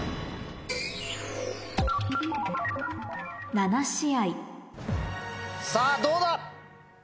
「７試合」さぁどうだ？